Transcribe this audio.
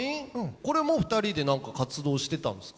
これも２人で何か活動してたんですか？